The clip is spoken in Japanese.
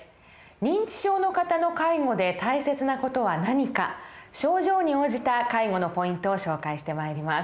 認知症の方の介護で大切な事は何か症状に応じた介護のポイントを紹介してまいります。